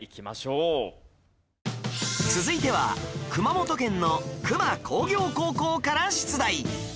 続いては熊本県の球磨工業高校から出題